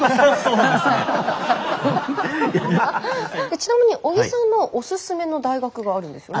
ちなみに尾木さんのおすすめの大学があるんですよね。